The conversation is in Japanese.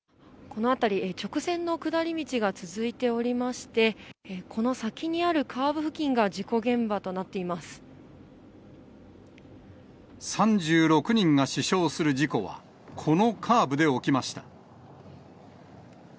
この辺り、直線の下り道が続いておりまして、この先にあるカーブ付近が事故現３６人が死傷する事故は、このカーブで起きました。